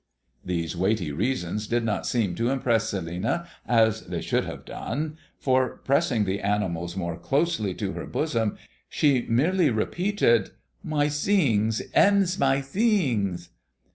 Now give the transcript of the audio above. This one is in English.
These weighty reasons did not seem to impress Celinina as they should have done, for pressing the animals more closely to her bosom, she merely repeated, "My sings, 'em's my sings."